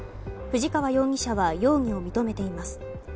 藤川容疑者は容疑を認めています。